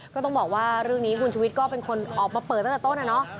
ก็ต้องบอกว่าเรื่องนี้คุณชุวิตก็เป็นคนออกมาเปิดตั้งแต่ต้นนะเนาะ